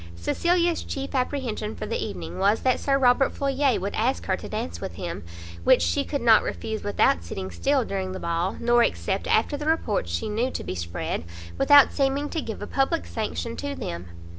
Cecilia's chief apprehension for the evening was that Sir Robert Floyer would ask her to dance with him, which she could not refuse without sitting still during the ball, nor accept, after the reports she knew to be spread, without seeming to give a public sanction to them.